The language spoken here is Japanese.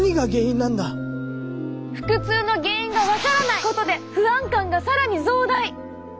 腹痛の原因が分からないことで不安感が更に増大！